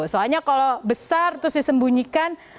soalnya kalau besar terus disembunyikan